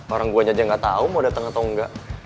orang gue aja gak tau mau dateng atau engga